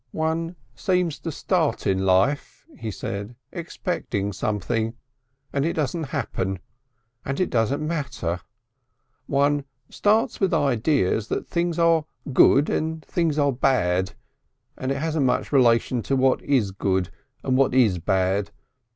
"One seems to start in life," he said, "expecting something. And it doesn't happen. And it doesn't matter. One starts with ideas that things are good and things are bad and it hasn't much relation to what is good and what is bad.